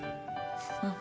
うん。